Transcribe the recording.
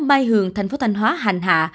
mai hường thành phố thanh hóa hành hạ